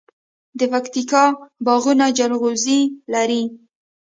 د پکتیکا باغونه جلغوزي لري.